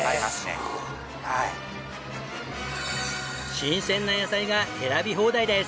新鮮な野菜が選び放題です。